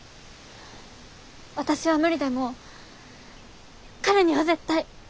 私は無理でも彼には絶対。